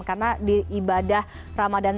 karena di ibadah ramadan tahunnya